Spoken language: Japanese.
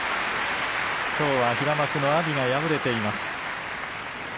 きょうは平幕の阿炎が敗れています。